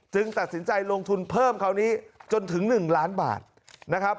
ตัดสินใจลงทุนเพิ่มคราวนี้จนถึง๑ล้านบาทนะครับ